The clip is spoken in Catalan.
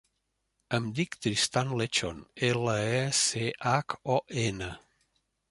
Em dic Tristan Lechon: ela, e, ce, hac, o, ena.